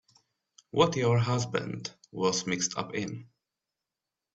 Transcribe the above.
What your husband was mixed up in.